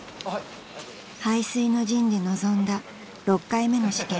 ［背水の陣で臨んだ６回目の試験］